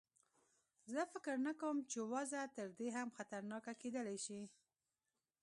زه فکر نه کوم چې وضع تر دې هم خطرناکه کېدلای شي.